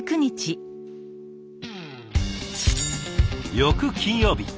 翌金曜日。